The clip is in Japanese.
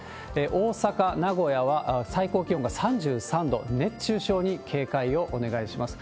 大阪、名古屋は最高気温が３３度、熱中症に警戒をお願いします。